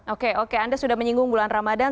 oke oke anda sudah menyinggung bulan ramadan